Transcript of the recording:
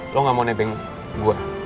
lo gak mau nebeng gue